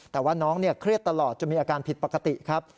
แต่ว่าน้องเครียดตลอดจนมีอาการผิดปกติครับ